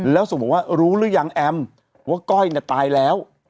แล้วส่งบอกว่ารู้หรือยังแอมว่าก้อยตายแล้ว